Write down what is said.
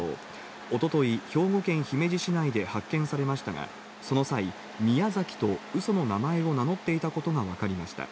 おととい、兵庫県姫路市内で発見されましたが、その際、ミヤザキとうその名前を名乗っていたことが分かりました。